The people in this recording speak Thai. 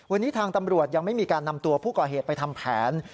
วันนี้ทางตำรวจยังไม่มีการนำตัวผู้ก่อเหตุไปทำแผน